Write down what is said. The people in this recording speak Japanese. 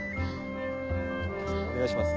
お願いします。